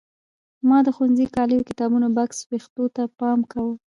ما د ښوونځي کالیو کتابونو بکس وېښتو ته پام کاوه.